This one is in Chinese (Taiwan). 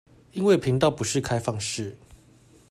因為頻道不是開放式